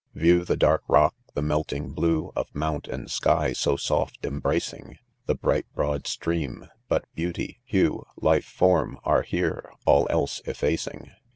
Yiew the dark rock— the' melting blue Of mount and sky so soft ^embracing — The bright broad stream,— but beauty, hxae, Life form, are : here, 7 all else effacing.